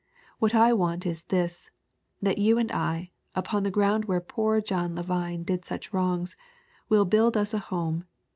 What I want is this : That you and I, upon the ground where poor John Levine did such wrongs, will build us a home.